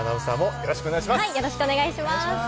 よろしくお願いします。